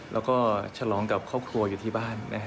แล้วก็ฉลองกับครอบครัวอยู่ที่บ้าน